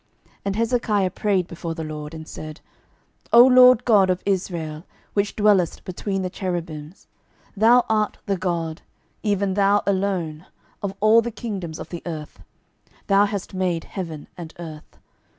12:019:015 And Hezekiah prayed before the LORD, and said, O LORD God of Israel, which dwellest between the cherubims, thou art the God, even thou alone, of all the kingdoms of the earth; thou hast made heaven and earth.